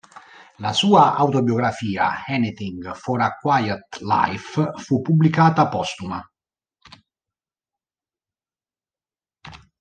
La sua autobiografia "Anything For a Quiet Life", fu pubblicata postuma.